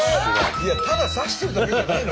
ただ刺してるだけじゃないの？